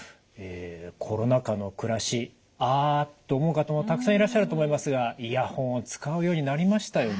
あと思う方もたくさんいらっしゃると思いますがイヤホンを使うようになりましたよね。